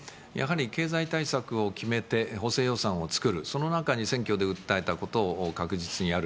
経済対策を決めて補正予算を作るその中に選挙で訴えたことを確実にやる。